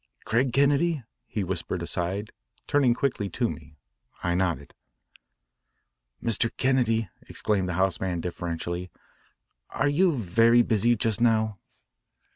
"Craig Kennedy?" he whispered aside, turning quickly to me. I nodded. "Mr. Kennedy," exclaimed the house man deferentially, "are you very busy just now?"